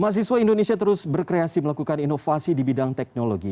mahasiswa indonesia terus berkreasi melakukan inovasi di bidang teknologi